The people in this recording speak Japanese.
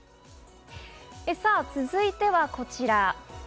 続いてはこちら。